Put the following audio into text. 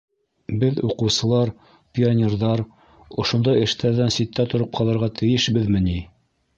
Беҙ, уҡыусылар, пионерҙар, ошондай эштәрҙән ситтә тороп ҡалырға тейешбеҙме ни?